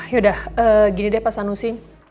yaudah gini deh pas sanusi